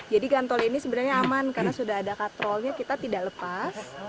jadi gantoli ini sebenarnya aman karena sudah ada katrolnya kita tidak lepas